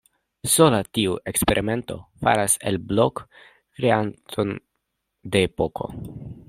Sola tiu eksperimento faras el Blok kreanton de epoko.